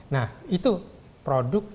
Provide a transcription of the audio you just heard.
nah itu produk